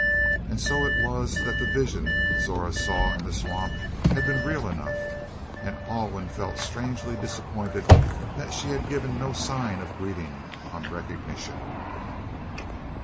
And so it was that the vision Zora saw in the swamp had been real enough, and Alwyn felt strangely disappointed that she had given no sign of greeting on recognition.